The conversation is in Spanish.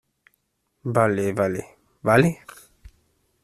vale, vale. ¿ vale?